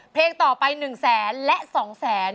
เพลงต่อไปหนึ่งแสนและสองแสน